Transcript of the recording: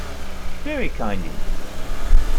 Very kind indeed.